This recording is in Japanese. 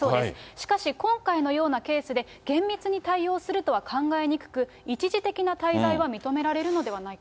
しかし、今回のようなケースで、厳密に対応するとは考えにくく、一時的な滞在は認められるのではないか。